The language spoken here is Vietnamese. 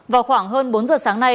vào khoảng hơn bốn giờ sáng nay